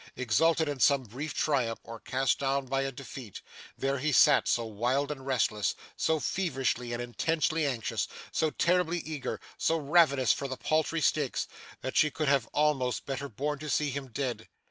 Exulting in some brief triumph, or cast down by a defeat, there he sat so wild and restless, so feverishly and intensely anxious, so terribly eager, so ravenous for the paltry stakes, that she could have almost better borne to see him dead.